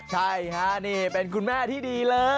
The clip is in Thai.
ใช่ค่ะนี่เป็นคุณแม่ที่ดีเลย